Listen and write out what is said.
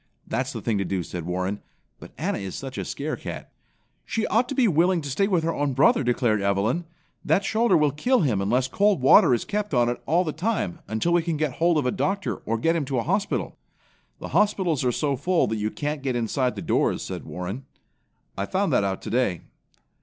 "That's the thing to do," said Warren, "but Anna is such a scare cat." "She ought to be willing to stay with her own brother!" declared Evelyn. "That shoulder will kill him unless cold water is kept on it all the time, until we can get hold of a doctor or get him to a hospital." "The hospitals are so full that you can't get inside the doors," said Warren. "I found that out today."